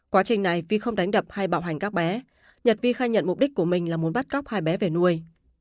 quá trình này vi không đánh đập hay bạo hành các bé nhật vi khai nhận mục đích của mình là muốn bắt cóc hai bé về nuôi